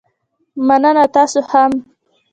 مننه، تاسو هم